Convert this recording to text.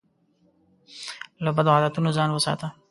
له بدو عادتونو ځان وساته.